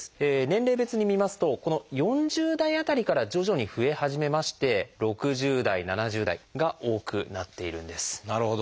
年齢別に見ますとこの４０代辺りから徐々に増え始めまして６０代７０代が多くなっているんです。